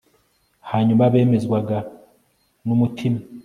hanyuma bemezwaga nu mutima